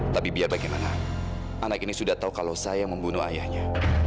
tapi biar bagaimana anak ini sudah tahu kalau saya membunuh ayahnya